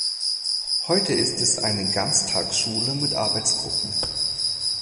Heute ist es eine Ganztagsschule mit Arbeitsgruppen.